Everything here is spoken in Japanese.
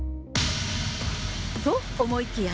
と、思いきや。